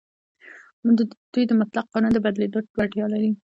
دوی د مطلق قانون د بدلېدو وړتیا لري.